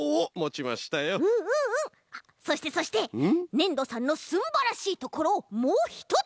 ねんどさんのすんばらしいところをもうひとつ！